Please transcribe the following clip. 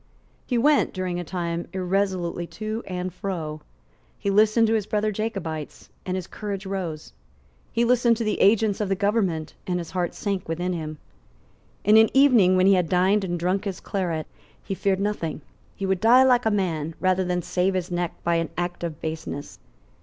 He went during a time irresolutely to and fro. He listened to his brother Jacobites; and his courage rose. He listened to the agents of the government; and his heart sank within him. In an evening when he had dined and drunk his claret, he feared nothing. He would die like a man, rather than save his neck by an act of baseness.